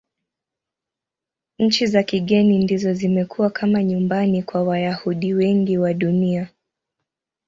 Nchi za kigeni ndizo zimekuwa kama nyumbani kwa Wayahudi wengi wa Dunia.